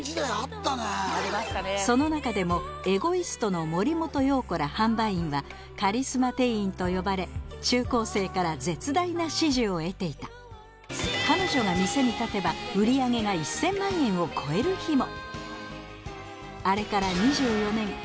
その中でも「ＥＧＯＩＳＴ」の森本容子ら販売員はカリスマ店員と呼ばれ中高生から絶大な支持を得ていた彼女が店に立てば売り上げが１０００万円を超える日も！